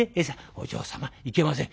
「お嬢様いけません。